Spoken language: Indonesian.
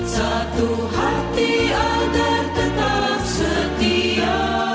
satu hati agar tetap setia